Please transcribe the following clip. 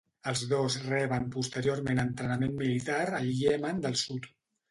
Els dos reben posteriorment entrenament militar al Iemen del Sud.